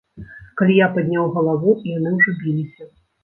Калі я падняў галаву, яны ўжо біліся.